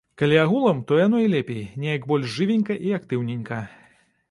Калі агулам, то яно і лепей, неяк больш жывенька і актыўненька.